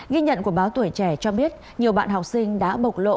ghi nhận của báo tuổi trẻ cho biết nhiều bạn học sinh đã bộc lộ